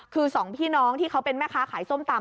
คือสองพี่น้องที่เขาเป็นแม่ค้าขายส้มตำ